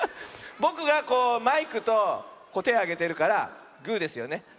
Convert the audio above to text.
ぼくがこうマイクとてをあげてるからグーですよね。